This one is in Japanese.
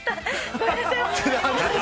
ごめんなさい。